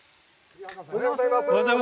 おはようございます。